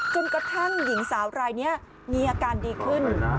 จนกระทั่งหญิงสาวรายนี้มีอาการดีขึ้น